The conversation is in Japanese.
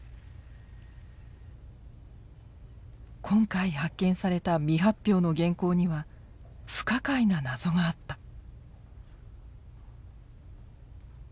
今回発見された未発表の原稿には不可解な謎があった。